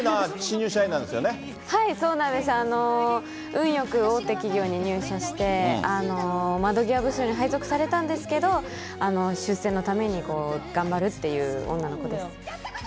運よく大手企業に入社して、窓際部署に配属されたんですけど、出世のために頑張るっていう女の子です。